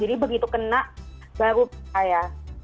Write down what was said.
jadi begitu kena baru percaya